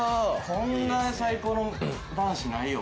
こんなに最高の男子ないよ。